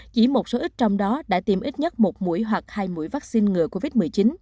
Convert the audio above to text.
chỉ một số ít trong đó đã tiêm ít nhất một mũi hoặc hai mũi vaccine ngừa covid một mươi chín